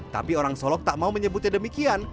tapi orang solok tak mau menyebutnya demikian